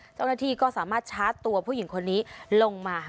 เจ้าหน้าที่ก็สามารถชาร์จตัวผู้หญิงคนนี้ลงมา